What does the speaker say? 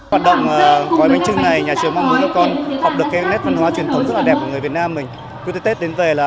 hoạt động gói bánh trưng này nhà trường mong muốn các con học được cái nét văn hóa truyền thống rất là đẹp của người việt nam